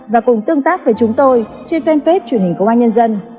và cùng tương tác với chúng tôi trên fanpage truyền hình công an nhân dân